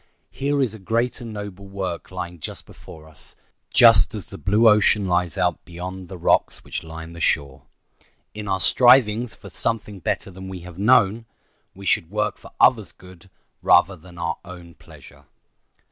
Here is a great and noble work lying just before us, just as the blue ocean lies out beyond the rocks which line the shore. In our strivings for "something better than we have known" we should work for others' good rather than our own pleasure.